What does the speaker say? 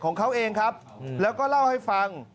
ของเขาเองครับแล้วก็เล่าให้ฟัง